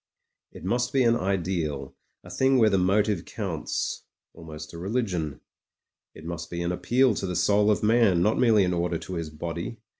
It must be an ideal, a thing where the motive counts, almost a religion. It must be an appeal to the soul of man, not merely an order to his body.